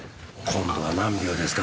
今度は何秒ですか？